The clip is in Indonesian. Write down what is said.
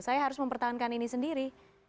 saya harus mempertahankan ini sendiri